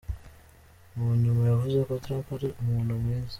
Mu nyuma yavuze ko Trump ari " umuntu mwiza".